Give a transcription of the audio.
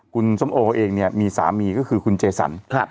คุณส้มโอเองเนี่ยมีสามีก็คือคุณเจสัน